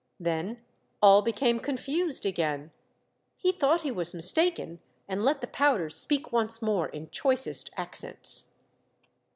Then all became confused again. He thought he was mistaken, and let the powder speak once more in choicest accents.